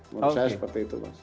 menurut saya seperti itu mas